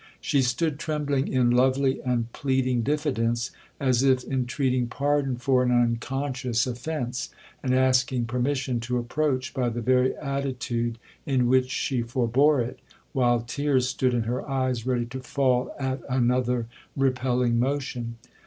She stood trembling in lovely and pleading diffidence, as if intreating pardon for an unconscious offence, and asking permission to approach by the very attitude in which she forbore it, while tears stood in her eyes ready to fall at another repelling motion.